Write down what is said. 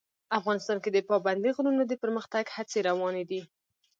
افغانستان کې د پابندي غرونو د پرمختګ هڅې روانې دي.